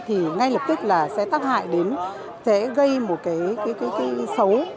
thì ngay lập tức là sẽ tác hại sẽ gây một cái xấu